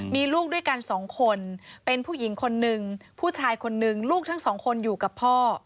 มีลูกด้วยกันสองคนเป็นผู้หญิงคนนึงผู้ชายคนนึงลูกทั้งสองคนอยู่กับพ่อ